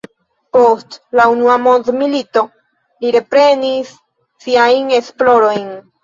Post la Unua mondmilito li reprenis siajn esplorojn.